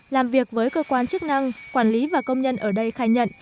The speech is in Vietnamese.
làm việc với cơ quan chức năng quản lý và công nhân ở đây khai nhận